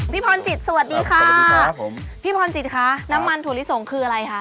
พี่พรจิตสวัสดีค่ะพี่พรจิตค่ะน้ำมันถั่วลิสงคืออะไรค่ะ